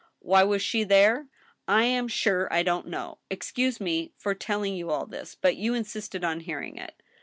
... Why was she there ?... I am sure I don't know. Excuse me for telling you all this. But you insisted on hearing it.